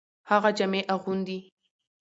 هغه جامي اغوندي .